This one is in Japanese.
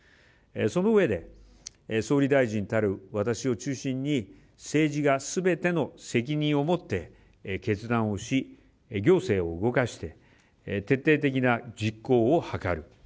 その上で総理大臣たる私を中心に政治がすべての責任を持って決断をし、行政を動かして徹底的な実行を図る。